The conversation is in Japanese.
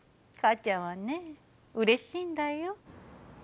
母ちゃんはねうれしいんだよ。